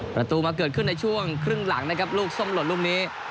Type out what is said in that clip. ประตูมาเกิดขึ้นในช่วงครึ่งหลังนะครับลูกส้มหล่นลูกนี้